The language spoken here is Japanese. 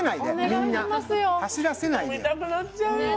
飲みたくなっちゃうよ